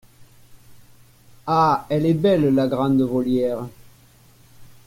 Ah elle est belle, la grande volière !